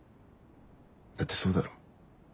だってそうだろ。